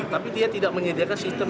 tapi dia tidak menyediakan sistem